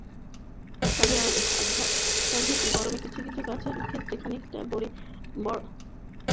তবে অত্যধিক গরমে কিছু কিছু গাছের ক্ষেত্রে খানিকটা বাড়তি যত্নের প্রয়োজন পড়ে।